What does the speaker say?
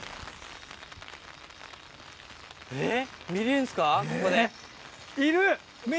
えっ。